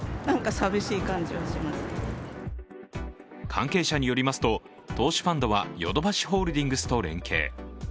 関係者によりますと、投資ファンドはヨドバシホールディングスと連携。